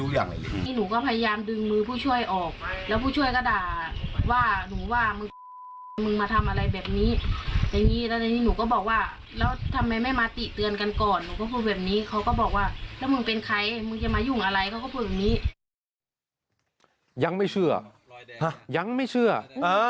เขาก็พูดแบบนี้ยังไม่เชื่อห้ะยังไม่เชื่ออ่า